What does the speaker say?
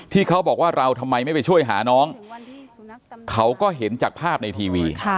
เขาบอกว่าเราทำไมไม่ไปช่วยหาน้องเขาก็เห็นจากภาพในทีวี